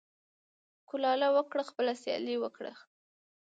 ـ کولاله وکړه خپله سياله وکړه.